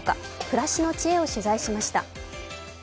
暮らしの知恵を取材しました。